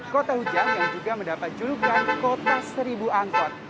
kota hujan yang juga mendapat julukan kota seribu angkot